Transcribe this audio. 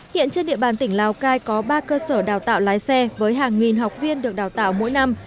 hiện trên địa bàn tỉnh lào cai có ba cơ sở đào tạo lái xe với hàng nghìn học viên được đào tạo mỗi năm